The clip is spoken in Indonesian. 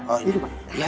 oh ini pak